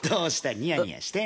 ニヤニヤして。